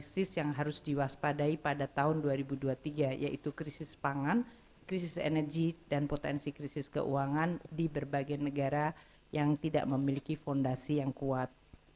krisis yang harus diwaspadai pada tahun dua ribu dua puluh tiga yaitu krisis pangan krisis energi dan potensi krisis keuangan di berbagai negara yang tidak memiliki fondasi yang kuat